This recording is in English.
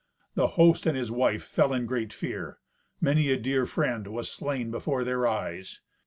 The host and his wife fell in great fear. Many a dear friend was slain before their eyes.